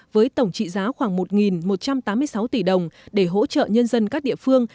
với tổng trị giá khoảng một một trăm tám mươi sáu tỷ đồng để hỗ trợ nhân dân các địa phương